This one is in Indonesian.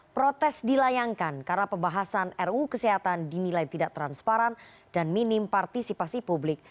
protes dilayangkan karena pembahasan ruu kesehatan dinilai tidak transparan dan minim partisipasi publik